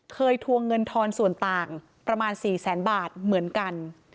ทวงเงินทอนส่วนต่างประมาณ๔แสนบาทเหมือนกัน